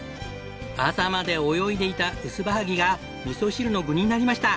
朝まで泳いでいたウスバハギが味噌汁の具になりました。